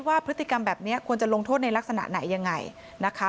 ว่าพฤติกรรมแบบนี้ควรจะลงโทษในลักษณะไหนยังไงนะคะ